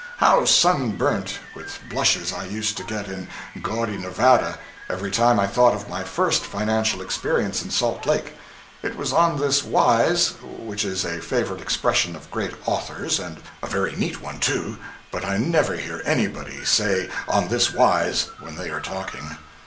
How sunburnt with blushes I used to get in gaudy Nevada, every time I thought of my first financial experience in Salt Lake. It was on this wise (which is a favorite expression of great authors, and a very neat one, too, but I never hear anybody say on this wise when they are talking).